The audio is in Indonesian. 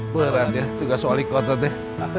berat ya tugas wali kotor deh